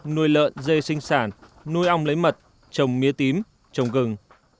nuôi lợn dê sinh sản nuôi ong lấy mật trồng mía tím trồng gừng